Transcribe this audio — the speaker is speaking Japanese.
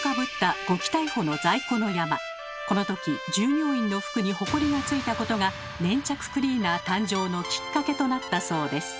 このとき従業員の服にホコリがついたことが粘着クリーナー誕生のきっかけとなったそうです。